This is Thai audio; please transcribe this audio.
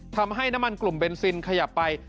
ทำให้น้ำมันกลุ่มเบนซินขยับไป